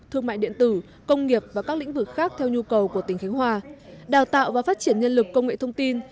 thương mại điện tử công nghiệp và các lĩnh vực khác theo nhu cầu của tỉnh khánh hòa đào tạo và phát triển nhân lực công nghệ thông tin